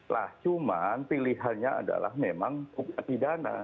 lah cuma pilihannya adalah memang pidana